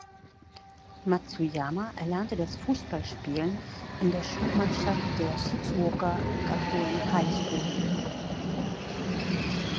Matsuyama erlernte das Fußballspielen in der Schulmannschaft der "Shizuoka Gakuen High School".